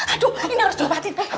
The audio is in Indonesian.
aduh ini harus diobatin